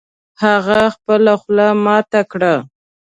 هغه خپله خوله ماته کړه